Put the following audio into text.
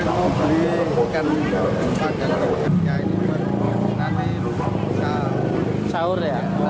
ya ini buat nanti sahur